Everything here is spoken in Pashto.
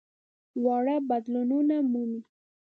واړه بدلونونه مومي.